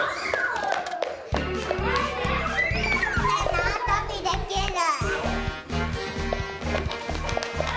なわとびできる。